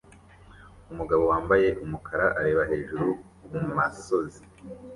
Umugabo wambaye umukara areba hejuru kumasozi